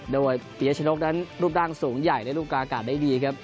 โดยปียชนกนั้นรูปร่างสูงใหญ่ในรูปกาอากาศได้ดีครับ